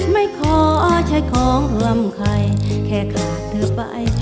ไม่ขอใช้ของร่วมใครแค่ขาดเธอไป